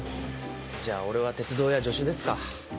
じゃあ俺は鉄道屋助手ですか。